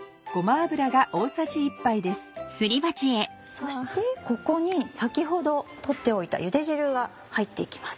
そしてここに先ほど取っておいたゆで汁が入って行きます。